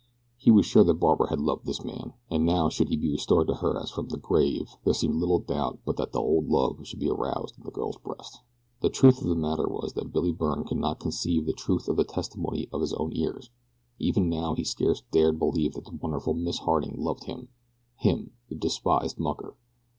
He was sure that Barbara had loved this man, and now should he be restored to her as from the grave there seemed little doubt but that the old love would be aroused in the girl's breast. The truth of the matter was that Billy Byrne could not conceive the truth of the testimony of his own ears even now he scarce dared believe that the wonderful Miss Harding loved him him, the despised mucker!